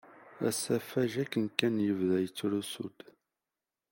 Asafag akken kan yebda yettrusu-d.